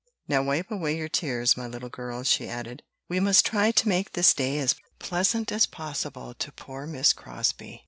"Now wipe away your tears, my little girls," she added. "We must try to make this day as pleasant as possible to poor Miss Crosbie."